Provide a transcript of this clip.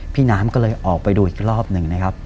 พี่น้ำก็เลยออกไปดูอีกรอบหนึ่งนะครับ